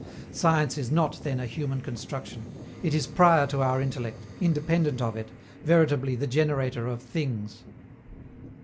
Science is not, then, a human construction. It is prior to our intellect, independent of it, veritably the generator of Things.